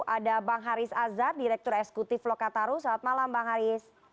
ada bang haris azhar direktur eksekutif lokataru selamat malam bang haris